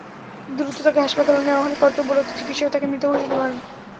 দ্রুত তাকে হাসপাতালে নেওয়া হলে কর্তব্যরত চিকিৎসক তাকে মৃত ঘোষণা করেন।